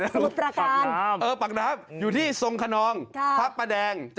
ของเราเปลี่ยนไปเรื่อยครับทุกแบบครับ